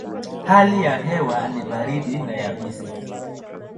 Hali ya hewa ni baridi na yabisi.